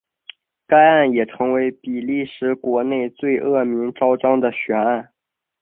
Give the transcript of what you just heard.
该案也成为比利时国内最恶名昭彰的悬案。